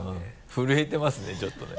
震えてますねちょっとね。